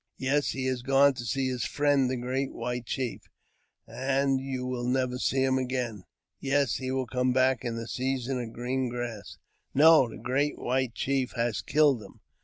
I' Yes, he has gone to see his friend, the great white chief." t And you will never see him again." ^Yes, he will come back in the season of green grass." No, the great white chief has killed him."